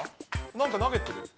なんか投げてる？